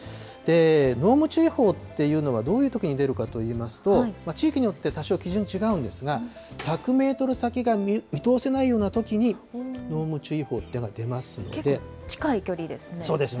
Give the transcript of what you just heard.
濃霧注意報っていうのは、どういうときに出るかといいますと、地域によって多少基準違うんですが、１００メートル先が見通せないようなときに濃霧注意報というのが結構近い距離ですね。